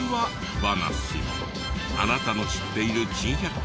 話あなたの知っている珍百景